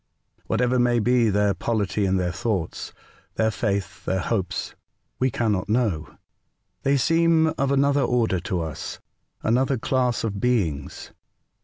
Whatever may be their polity, their thoughts, their faith, their hopes, we cannot know. They seem of another order to us, — another class of beings.